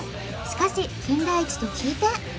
しかし「金田一」と聞いて